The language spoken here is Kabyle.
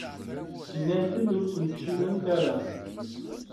Nnant-d ur ttmectciwent ara.